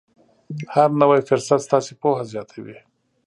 هر نوی فرصت ستاسې پوهه زیاتوي.